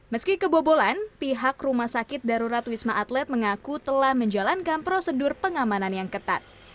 meski kebobolan pihak rumah sakit darurat wisma atlet mengaku telah menjalankan prosedur pengamanan yang ketat